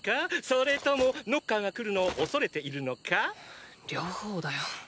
それともノッカーが来るのを恐れているのか⁉両方だよ。